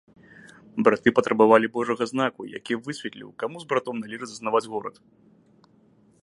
Браты патрабавалі божага знаку, які б высветліў, каму з братоў належыць заснаваць горад.